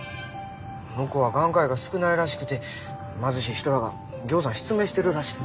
向こうは眼科医が少ないらしくて貧しい人らがぎょうさん失明してるらしい。